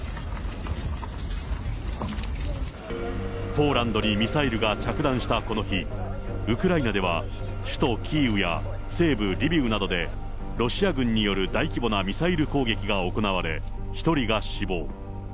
ポーランドにミサイルが着弾したこの日、ウクライナでは、首都キーウや西部リビウなどで、ロシア軍による大規模なミサイル攻撃が行われ、１人が死亡。